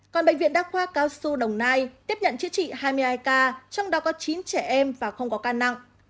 còn bệnh viện đa khoa cao xu đồng nai tiếp nhận chữa trị hai mươi hai ca trong đó có chín trẻ em và không có ca nặng